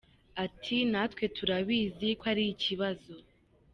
Ati “Natwe turabizi ko ari ikibazo.